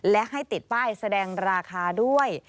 และให้ติดป้ายแสดงราคาด้วย